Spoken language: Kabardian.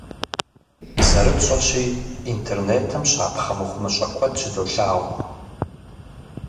ЗэрытщӀэщи, интернетым щапхъэ мыхъумыщӏэ куэд щыдолъагъу.